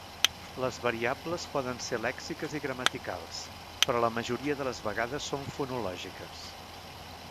Les variables poden ser lèxiques i gramaticals, però la majoria de les vegades són fonològiques.